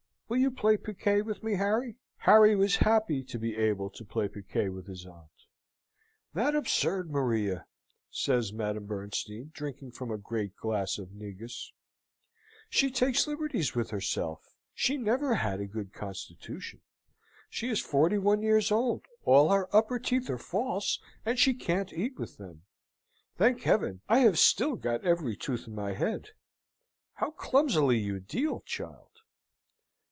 Will you play piquet with me, Harry?" Harry was happy to be able to play piquet with his aunt. "That absurd Maria!" says Madame Bernstein, drinking from a great glass of negus, "she takes liberties with herself. She never had a good constitution. She is forty one years old. All her upper teeth are false, and she can't eat with them. Thank Heaven, I have still got every tooth in my head. How clumsily you deal, child!"